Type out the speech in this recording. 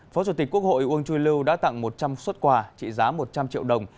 phó chủ tịch quốc hội uông chui lưu đã tặng một trăm linh xuất quà trị giá một trăm linh triệu đồng